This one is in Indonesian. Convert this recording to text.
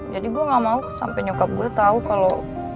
jadi gue gak mau sampe nyokap gue tau kalo